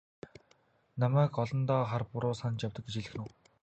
Намайг олондоо хар буруу санаж явдаг гэж хэлэх нь үү?